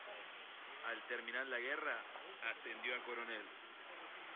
Al terminar la guerra ascendió a coronel.